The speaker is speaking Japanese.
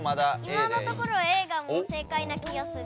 今のところＡが正解な気がする。